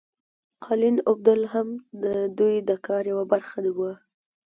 قالین اوبدل هم د دوی د کار یوه برخه وه.